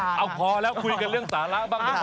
จอกมาแล้วขนาดนั้น